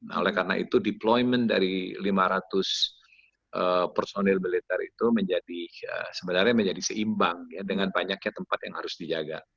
oleh karena itu deployment dari lima ratus personil militer itu sebenarnya menjadi seimbang dengan banyaknya tempat yang harus dijaga